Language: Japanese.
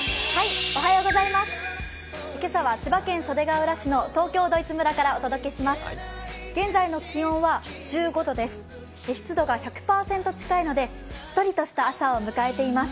今朝は千葉県袖ケ浦市の東京ドイツ村からお届けします。